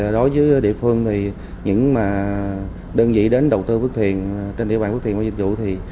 đối với địa phương những đơn vị đến đầu tư phước thiền trên địa bàn phước thiền và dịch vụ